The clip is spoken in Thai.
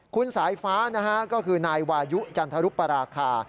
คุณสายฟ้านะฮะก็คือนายวายุจันทรุปราคา